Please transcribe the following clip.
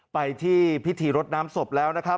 ไปที่พิธีรดน้ำศพแล้ว